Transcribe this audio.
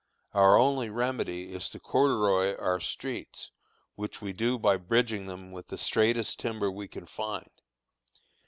Our only remedy is to corduroy our streets, which we do by bridging them with the straightest timber we can find.